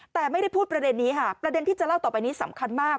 แต่ไม่ได้พูดประเด็นนี้ค่ะประเด็นที่จะเล่าต่อไปนี้สำคัญมาก